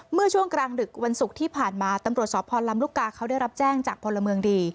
เมื่อช่วงกลางดึกวันศุกร์ที่ผ่านมาตำรวจสพลำลูกกาเขาได้รับแจ้งจากพลเมืองดี